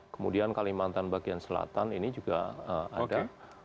kemudian kalimantan bagian selatan ini juga ada